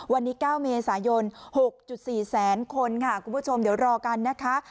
วันนี้๙เมษายน๖๔แสนคนค่ะคุณผู้ชมเดี๋ยวรอกันนะคะ